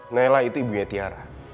nailah itu ibunya tiara